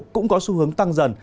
cũng có xu hướng tăng dần